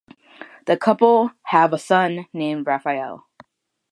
The couple have a son named Raphael.